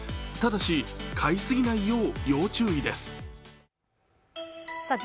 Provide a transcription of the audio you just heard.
ただし、買い過ぎないよう要注意です。